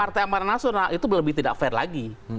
partai amaran nasional itu lebih tidak fair lagi